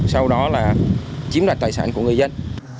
sau đó là chiếm đoạt tài sản của người dân